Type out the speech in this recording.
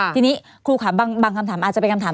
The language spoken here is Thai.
ทีนี้ครูค่ะบางคำถามอาจจะเป็นคำถาม